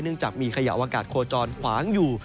เนื่องจากมีขยะอวกาศโคจรขวางอยู่